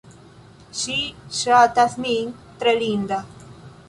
Ŝi ŝatas min. Tre linda.